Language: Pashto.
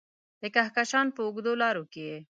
د کهکشان په اوږدو لارو کې یې